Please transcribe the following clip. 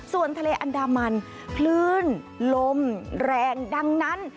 ส่วนทะเลอันดามันคลื่นลมแรงดังนั้น